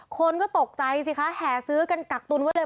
คนก็ตกใจสิคะแห่ซื้อกันกักตุนไว้เลย